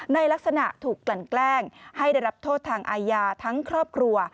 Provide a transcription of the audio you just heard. ในลักษณะถูกกลั่นแกล้งให้ได้รับโทษทางอาญาทั้งครอบครัว